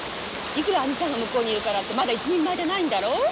いくら兄さんが向こうにいるからってまだ一人前じゃないんだろ？